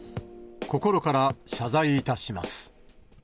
心から謝罪いたします。